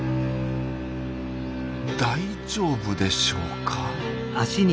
大丈夫でしょうか？